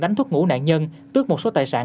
đánh thuốc ngủ nạn nhân tước một số tài sản